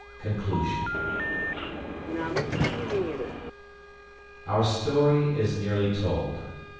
Conclusion Our story is nearly told.